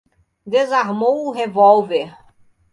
Desarmou o revólver